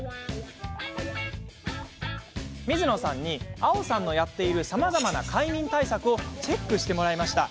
水野さんにあおさんのやっているさまざまな快眠対策をチェックしてもらいました。